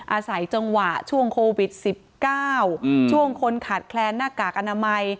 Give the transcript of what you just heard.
อาศัยจังหวะช่วงโควิด๑๙ช่วงคนขาดแคลนหน้ากากอนามัย